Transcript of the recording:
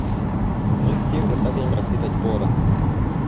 Мы всех заставим рассыпать порох.